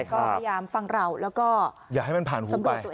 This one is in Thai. ก็พยายามฟังเราแล้วก็สำรวจตัวเอง